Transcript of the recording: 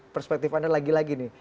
perspektif anda lagi lagi nih